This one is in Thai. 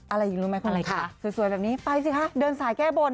อะไรอีกรู้ไหมคนอะไรคะสวยแบบนี้ไปสิคะเดินสายแก้บน